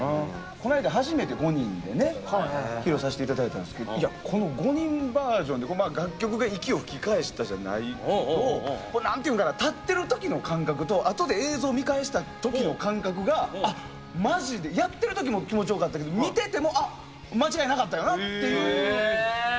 この間初めて５人でね披露させて頂いたんですけどこの５人バージョンで楽曲が息を吹き返したじゃないけど何て言うんかな立ってる時の感覚とあとで映像見返した時の感覚がマジでやってる時も気持ち良かったけど見てても間違いなかったよなっていうのがすごいハマったんです。